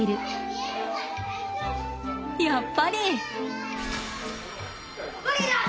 やっぱり！